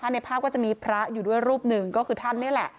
ในภาพก็จะมีพระอยู่ด้วยรูปหนึ่งก็คือท่านนี่แหละ